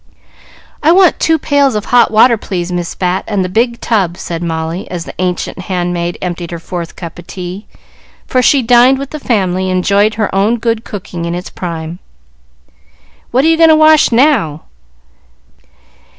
"I want two pails of hot water, please, Miss Bat, and the big tub," said Molly, as the ancient handmaid emptied her fourth cup of tea, for she dined with the family, and enjoyed her own good cooking in its prime. "What are you going to wash now?"